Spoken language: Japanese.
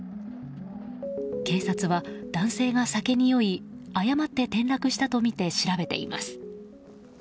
警察は男性が酒に酔い誤って転落したとみて調べています。